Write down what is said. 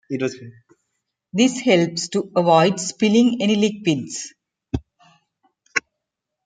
This helps to avoid spilling any liquids.